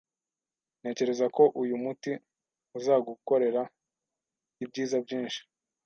Ntekereza ko uyu muti uzagukorera ibyiza byinshi